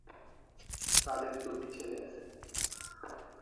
তাঁদের দুটি ছেলে আছে।